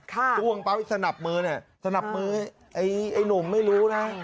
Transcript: จ้วงป้าวสนับมือนี่สนับมือไอ้หนุ่มไม่รู้นะ